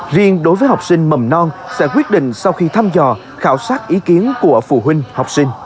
riêng đối với học sinh mầm non sẽ quyết định sau khi thăm dò khảo sát ý kiến của phụ huynh học sinh